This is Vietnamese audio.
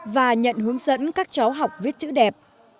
và nhận hướng dẫn các cháu học viết chữ đẹp